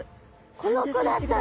この子だったの？